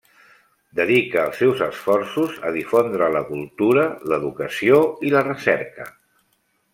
Dedica els seus esforços a difondre la cultura, l'educació i la recerca.